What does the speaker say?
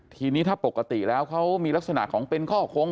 ทีนี้ถ้าปกติแล้วเขามีลักษณะของเป็นข้อคง